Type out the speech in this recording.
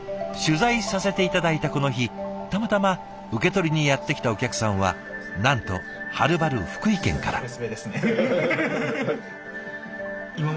取材させて頂いたこの日たまたま受け取りにやって来たお客さんはなんとはるばる福井県から。